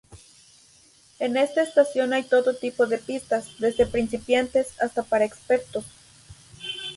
En esta estación hay todo tipo de pistas, desde principiantes, hasta para expertos.